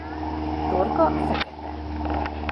Torka fekete.